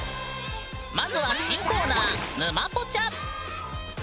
まずは新コーナー「ぬまポチャ」。